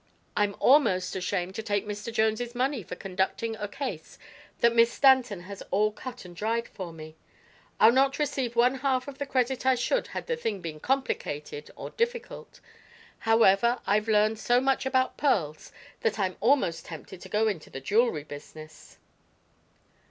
I'm almost ashamed to take Mr. Jones' money for conducting a case that Miss Stanton has all cut and dried for me. I'll not receive one half the credit I should had the thing been complicated, or difficult. However, I've learned so much about pearls that I'm almost tempted to go into the jewelry business."